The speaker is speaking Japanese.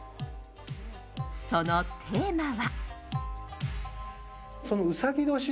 そのテーマは。